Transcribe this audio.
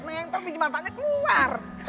neng tapi matanya keluar